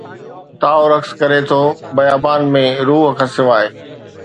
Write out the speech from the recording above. تائو رقص ڪري ٿو بيابان ۾، روح کان سواءِ